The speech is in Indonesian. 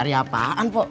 cari apaan pok